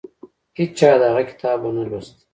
هیچا د هغه کتاب ونه لوست.